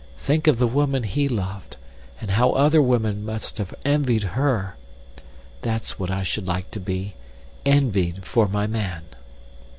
Think of the woman he loved, and how other women must have envied her! That's what I should like to be, envied for my man."